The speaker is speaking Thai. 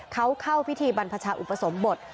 เขาเข้าพิธีบรรพชาอุปสมบท